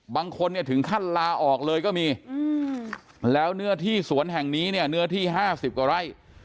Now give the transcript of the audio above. บางคนเนี่ยถึงขั้นลาออกเลยก็มีแล้วเนื้อที่สวนแห่งนี้เนี่ยเนื้อที่๕๐กว่าไร่